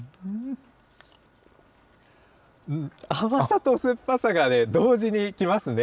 甘さと酸っぱさが同時にきますね。